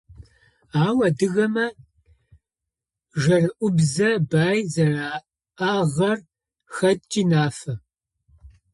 Ау адыгэмэ жэрыӏобзэ бай зэряӏагъэр хэткӏи нафэ.